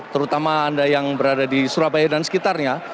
terutama anda yang berada di surabaya dan sekitarnya